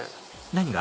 何が？